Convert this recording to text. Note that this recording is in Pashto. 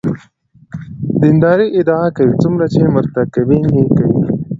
دیندارۍ ادعا کوي څومره چې مرتکبین یې کوي.